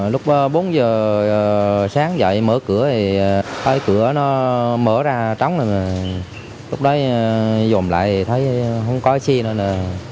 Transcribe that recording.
lúc bốn giờ sáng dậy mở cửa thì thấy cửa nó mở ra trống rồi lúc đó dồn lại thì thấy không có xe nữa